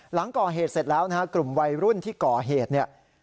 หลังก่อเหตุเสร็จแล้วนะฮะกลุ่มวัยรุ่นที่ก่อเหตุเนี่ย